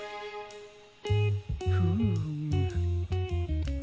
フーム。